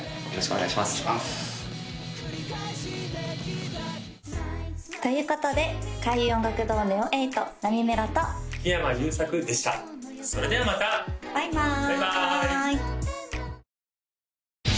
お願いしますということで開運音楽堂ＮＥＯ８なみめろと木山裕策でしたそれではまたバイバーイ